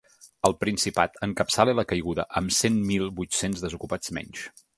El Principat encapçala la caiguda amb cent mil vuit-cents desocupats menys.